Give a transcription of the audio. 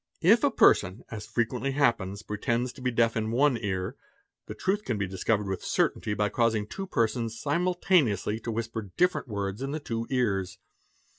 If a person, as frequently happens, pretends to be deaf in one ear, the truth can be discovered with certainty by causing two persons simultane ously to whisper different words in the two ears.